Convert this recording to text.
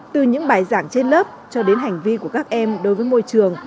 từ những bài giảng trên lớp cho đến hành vi của các em đối với môi trường